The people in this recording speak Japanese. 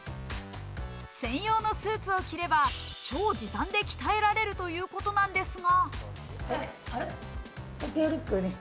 専用のスーツを着れば、超時短で鍛えられるということなんですが。